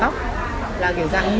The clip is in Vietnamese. là kiểu dạng